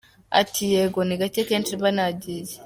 Ati “Yego ni gacye, kenshi mbanagiye.